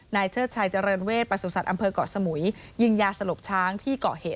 เชิดชัยเจริญเวศประสุทธิ์อำเภอกเกาะสมุยยิงยาสลบช้างที่เกาะเหตุ